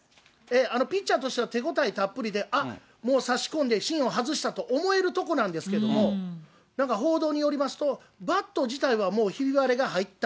ピッチャーとしては手ごたえたっぷりで、あっ、もう差し込んで芯を外したと思えるとこなんですけども、なんか報道によりますと、バット自体はもうひび割れが入った。